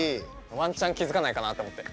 ワンチャン気付かないかなと思って。